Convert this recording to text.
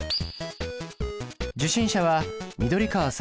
受信者は緑川さん